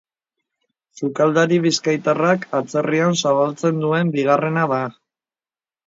Sukaldari bizkaitarrak atzerrian zabaltzen duen bigarrena da.